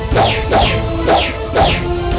nah nah nah nah